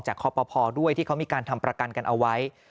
คอปภด้วยที่เขามีการทำประกันกันเอาไว้